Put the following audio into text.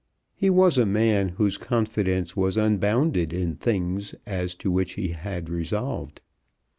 He was a man whose confidence was unbounded in things as to which he had resolved.